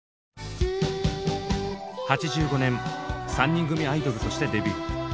８５年３人組アイドルとしてデビュー。